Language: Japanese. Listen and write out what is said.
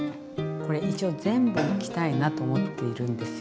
これ一応全部いきたいなと思っているんですよ。